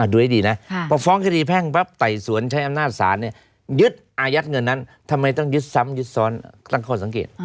ดูให้ดีนะพอฟ้องคดีแพ่งปั๊บไต่สวนใช้อำนาจศาลเนี่ยยึดอายัดเงินนั้นทำไมต้องยึดซ้ำยึดซ้อนตั้งข้อสังเกต